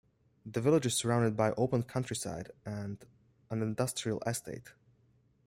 The village is surrounded by open countryside and an industrial estate.